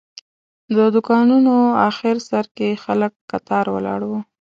د دوکانونو آخر سر کې خلک کتار ولاړ وو.